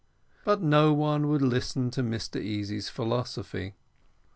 But no one would listen to Mr Easy's philosophy.